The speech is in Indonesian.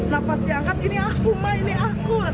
nah pas diangkat ini aku ini aku